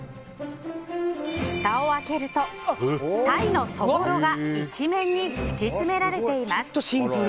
ふたを開けると鯛のそぼろが一面に敷き詰められています。